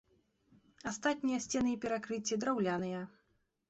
Астатнія сцены і перакрыцці драўляныя.